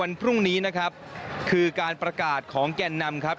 พรุ่งนี้นะครับคือการประกาศของแก่นนำครับ